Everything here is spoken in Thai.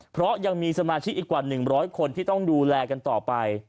เพราะยังมีสมาชิกอีกกว่า๑๐๐คนที่ต้องดูแลกันต่อไป